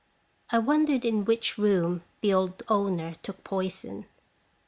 I wondered in which room the old owner took poison.